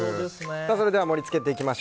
それでは、盛り付けていきます。